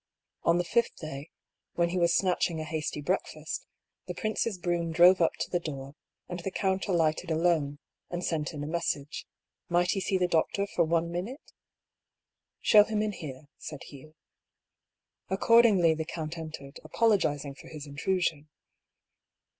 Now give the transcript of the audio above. On the fifth day, when he was snatching a hasty breakfast, the prince's brougham drove up to the door, and the count alighted alone, and sent in a message — might he see the doctor for one minute ?" Show him in here," said Hugh. Accordingly the count entered, apologising for his intrusion.